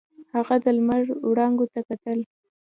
هغه د لمر وړانګو ته کتل.